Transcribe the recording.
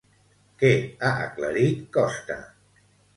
Què ha aclarit Costa?